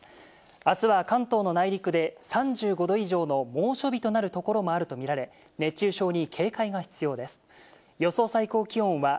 あすは関東の内陸で３５度以上の猛暑日となる所もあると見られ、熱中症に警戒が必要です。